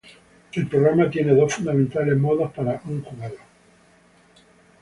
El programa tiene dos fundamentales modos para un jugador.